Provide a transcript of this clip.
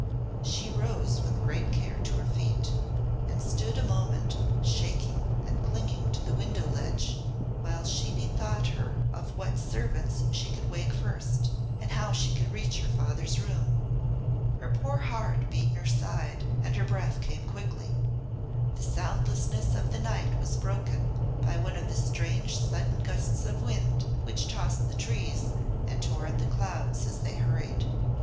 She rose with great care to her feet, and stood a moment shaking and clinging to the window ledge, while she bethought her of what servants she could wake first, and how she could reach her father's room. Her poor heart beat in her side, and her breath came quickly. The soundlessness of the night was broken by one of the strange sudden gusts of wind which tossed the trees, and tore at the clouds as they hurried.